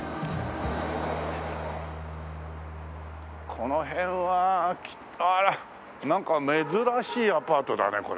この辺はなんか珍しいアパートだねこれ。